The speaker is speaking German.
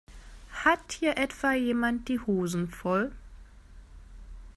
Hat hier etwa jemand die Hosen voll?